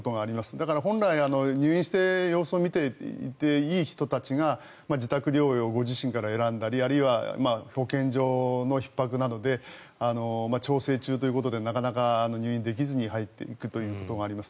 だから、本来、入院して様子を見ていていい人が自宅療養をご自身から選んだり保健所のひっ迫などで調整中ということで入院できずに入っていくということがあります。